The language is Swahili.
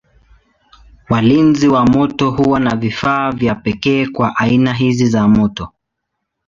Walinzi wa moto huwa na vifaa vya pekee kwa aina hizi za moto.